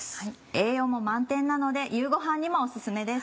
栄養も満点なので夕ごはんにもお薦めです。